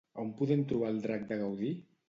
On podem trobar el drac de Gaudí?